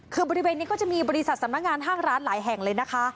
คือบริเวณนี้ก็จะมีบริษัทสำนักงานห้างร้านหลายแห่งเลยนะคะ